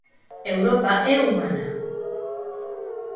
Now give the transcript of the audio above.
Europa é humana.